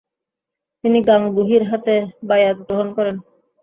তিনি গাঙ্গুহির হাতে বায়আত গ্রহণ করেন।